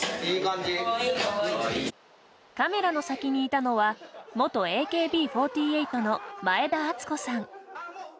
カメラの先にいたのは元ＡＫＢ４８の前田敦子さん。